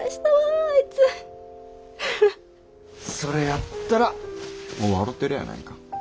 それやったらもう笑てるやないか。